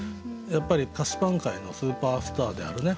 やっぱり菓子パン界のスーパースターであるね